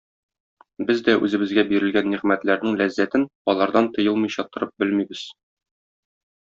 Без дә үзебезгә бирелгән нигъмәтләрнең ләззәтен алардан тыелмыйча торып белмибез.